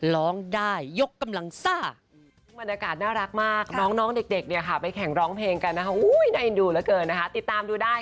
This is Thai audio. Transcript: ร้องได้ยกกำลังซ่า